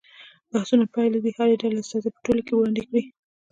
د بحثونو پایلې دې د هرې ډلې استازي په ټولګي کې وړاندې کړي.